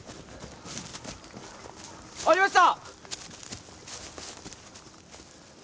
ありました！